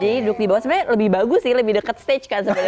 jadi duduk di bawah sebenarnya lebih bagus sih lebih dekat stage kan sebenarnya